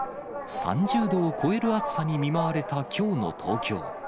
３０度を超える暑さに見舞われたきょうの東京。